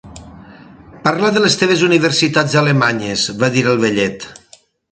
"Parla de les teves universitats alemanyes", va dir el vellet.